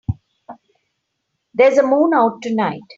There's a moon out tonight.